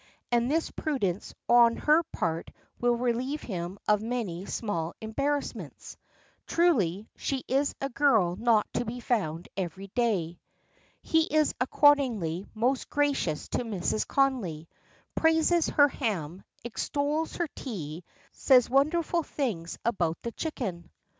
And this prudence on her part will relieve him of many small embarrassments. Truly, she is a girl not to be found every day. He is accordingly most gracious to Mrs. Connolly; praises her ham, extols her tea, says wonderful things about the chicken.